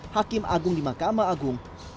hakim agung di mahkamah agung